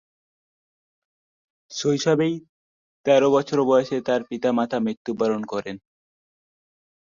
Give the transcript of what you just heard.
শৈশবেই তের বছর বয়সে তার পিতা-মাতা মৃত্যুবরণ করেন।